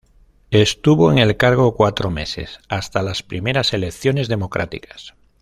Estuvo en el cargo cuatro meses, hasta las primeras elecciones democráticas.